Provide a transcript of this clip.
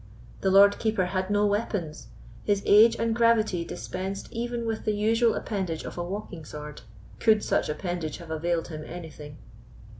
The Lord Keeper had no weapons; his age and gravity dispensed even with the usual appendage of a walking sword—could such appendage have availed him anything.